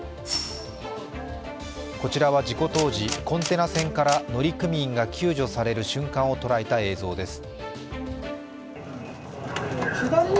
こちらは事故当時、コンテナ船から乗組員が救助される瞬間を捉えた映像です。